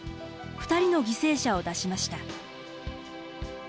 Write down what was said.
２人の犠牲者を出しました。